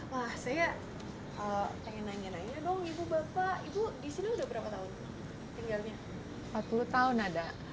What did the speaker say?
wah saya pengen nanya nanya dong ibu bapak ibu di sini udah berapa tahun tinggalnya